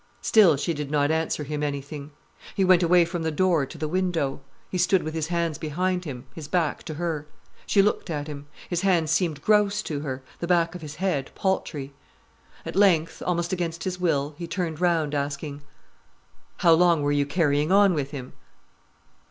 Still she did not answer him anything. He went away from the door to the window. He stood with his hands behind him, his back to her. She looked at him. His hands seemed gross to her, the back of his head paltry. At length, almost against his will, he turned round, asking: "How long were you carrying on with him?"